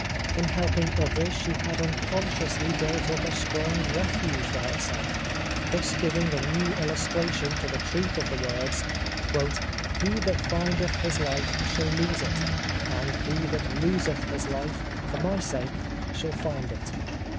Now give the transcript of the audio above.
In helping others she had unconsciously built up a strong refuge for herself, thus giving a new illustration to the truth of the words: "He that findeth his life shall lose it: and he that loseth his life, for my sake, shall find it."